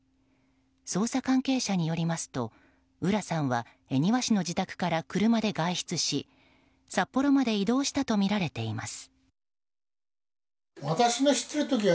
捜査関係者によりますと浦さんは恵庭市の自宅から車で外出し札幌まで移動したとみられています。